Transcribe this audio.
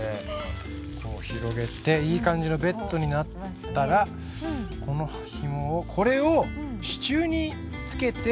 広げていい感じのベッドになったらこのひもをこれを支柱につけて。